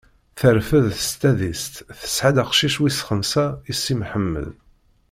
Terfed s tadist, tesɛa-d aqcic wis xemsa i Si Mḥemmed.